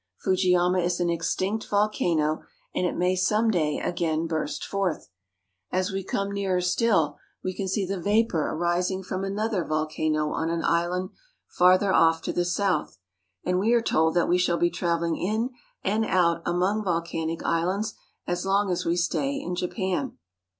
Fujiyama is an extinct volcano, and it may some day again burst forth. As we come nearer still, we can see the vapor arising from another volcano on an island 26 THE ISLAND EMPIRE OF JAPAN farther off to the south, and we are told that we shall be traveling in and out among volcanic islands as long as we stay in Japan.